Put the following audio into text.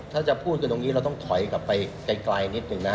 ถ้าจะพูดกันตรงนี้เราต้องถอยกลับไปไกลนิดหนึ่งนะ